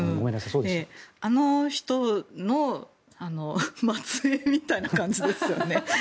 あの人の末えいみたいな感じですよね。